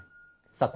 さあ